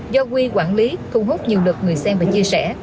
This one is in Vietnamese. do quy quản lý thu hút nhiều lượt người xem và chia sẻ